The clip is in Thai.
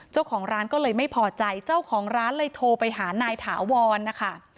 เจ้าของร้านก็เลยไม่พอใจเจ้าของร้านเลยโทรไปหานายถาวรนะคะ